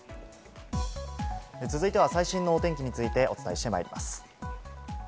続いては、最新のお天気についてお伝えしてまいります。